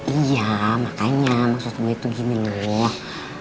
iya makanya maksud gue tuh gini loh